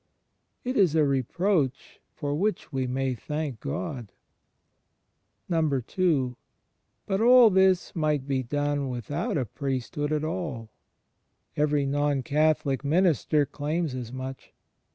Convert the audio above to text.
It is a reproach for which we may thank God. II. But all this might be done without a Priesthood 70 THE FRIENDSHIP OF CHRIST at all. Every non Catholic minister claims as much.